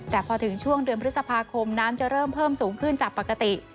แต่พอถึงช่วงเดือนพฤษภาคมน้ำจะเริ่มเพิ่มสูงขึ้นจากปกติ